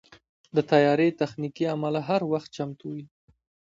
د طیارې تخنیکي عمله هر وخت چمتو وي.